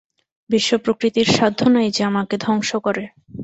বিশ্বপ্রকৃতির সাধ্য নাই যে, আমাকে ধ্বংস করে।